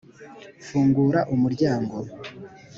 fungura umuryango.